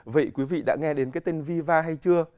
vậy quý vị đã nghe đến cái tên viva hay chưa